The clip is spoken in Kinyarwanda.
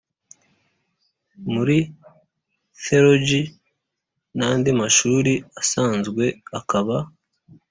muri Thelogy nandi mashuri asanzwe akaba